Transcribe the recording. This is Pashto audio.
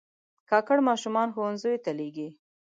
کاکړ ماشومان ښوونځیو ته لېږي.